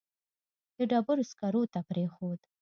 د ډبرو سکرو ته پرېښود.